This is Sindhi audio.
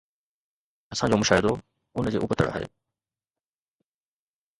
اسان جو مشاهدو ان جي ابتڙ آهي.